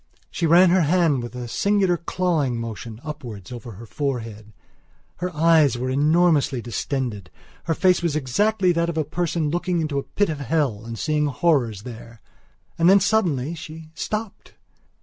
She ran her hand with a singular clawing motion upwards over her forehead. Her eyes were enormously distended; her face was exactly that of a person looking into the pit of hell and seeing horrors there. And then suddenly she stopped.